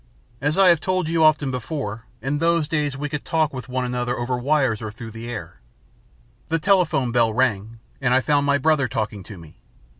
As I have told you often before, in those days we could talk with one another over wires or through the air. The telephone bell rang, and I found my brother talking to me.